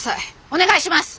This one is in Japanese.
お願いします！